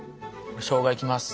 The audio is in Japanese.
しょうがいきます。